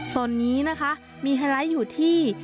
ส่วนนี้นะคะมีไฮไลท์อยู่ที่